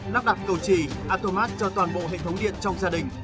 lắp đặt cầu trì atomat cho toàn bộ hệ thống điện trong gia đình